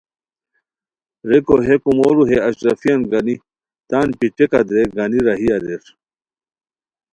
ریکو ہے کُومورو ہے اشرفیان گانی تان پیٹیکہ درے گانی راہی اریر